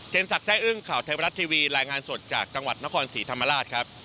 สักแร่อึ้งข่าวไทยบรัฐทีวีรายงานสดจากจังหวัดนครศรีธรรมราชครับ